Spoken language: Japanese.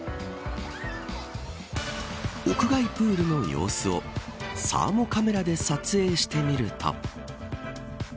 屋外プールの様子をサーモカメラで撮影してみると。